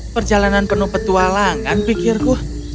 perjalanan penuh petualangan pikirku